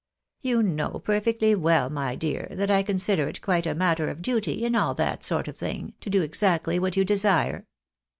You know perfectly well, my dear, that I consider it quite a matter of duty in all that sort of thing, to do exactly what you desire.